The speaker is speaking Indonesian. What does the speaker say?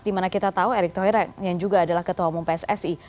dimana kita tahu erick thohir yang juga adalah ketua umum pssi